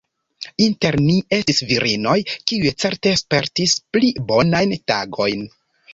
Inter ni estis virinoj, kiuj certe spertis pli bonajn tagojn.